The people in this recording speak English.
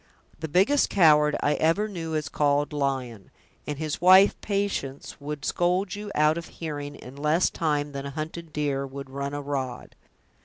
The biggest coward I ever knew was called Lyon; and his wife, Patience, would scold you out of hearing in less time than a hunted deer would run a rod.